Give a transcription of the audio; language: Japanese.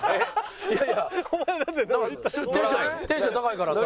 いやいやテンション高いからさ。